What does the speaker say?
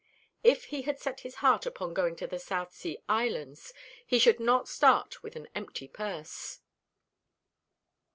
If he had set his heart upon going to the South Sea Islands, he should not start with an empty purse.